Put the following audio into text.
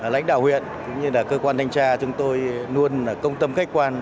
lãnh đạo huyện cũng như là cơ quan thanh tra chúng tôi luôn công tâm khách quan